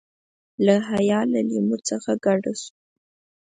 له حیا له لیمو څخه کډه شو.